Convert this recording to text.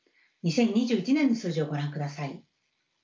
２０２１年の数字をご覧ください。